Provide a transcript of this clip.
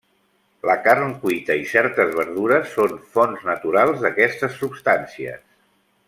La carn cuita i certes verdures són fonts naturals d'aquestes substàncies.